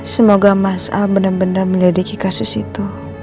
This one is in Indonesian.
semoga mas a benar benar menyelidiki kasus itu